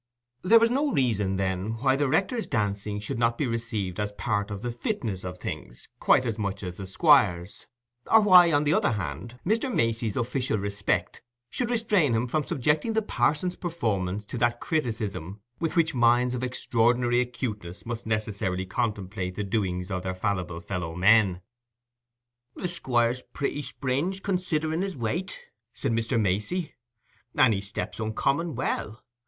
There was no reason, then, why the rector's dancing should not be received as part of the fitness of things quite as much as the Squire's, or why, on the other hand, Mr. Macey's official respect should restrain him from subjecting the parson's performance to that criticism with which minds of extraordinary acuteness must necessarily contemplate the doings of their fallible fellow men. "The Squire's pretty springe, considering his weight," said Mr. Macey, "and he stamps uncommon well.